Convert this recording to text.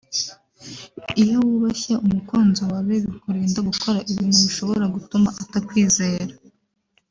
iyo wubashye umukunzi wawe bikurinda gukora ibintu bishobora gutuma atakwizera